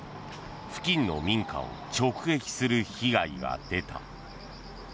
付近の民家を直撃する被害が出た。